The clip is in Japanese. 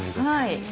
はい。